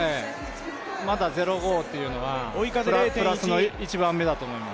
まだ０５というのはプラスの１番目だと思います。